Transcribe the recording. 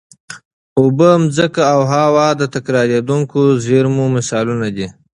اوبه، ځمکه او هوا د تکرارېدونکو زېرمونو مثالونه دي.